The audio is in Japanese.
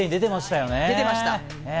出てました。